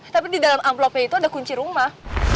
tapi di dalam amplopnya itu ada kunci rumah